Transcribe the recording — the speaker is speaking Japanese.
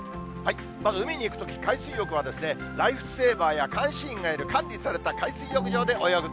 まず海に行くとき、海水浴はですね、ライフセーバーや監視員がいる管理された海水浴場で泳ぐ。